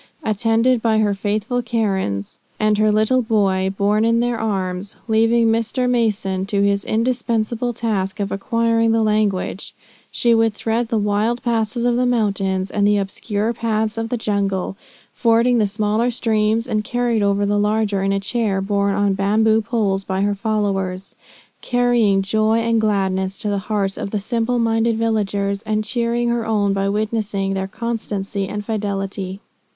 Attended by her faithful Karens, and her little boy borne in their arms, leaving Mr. Mason to his indispensable task of acquiring the language, she would thread the wild passes of the mountains, and the obscure paths of the jungle, fording the smaller streams and carried over the larger in a chair borne on bamboo poles by her followers, carrying joy and gladness to the hearts of the simple minded villagers, and cheering her own by witnessing their constancy and fidelity.